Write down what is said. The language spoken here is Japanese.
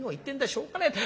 しょうがねえ。